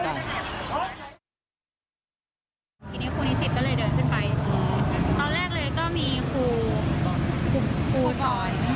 จะเข้าไปเปิดหน้าต่างและก็น่าจะออกมาไม่ได้ก็เลยไปหลบ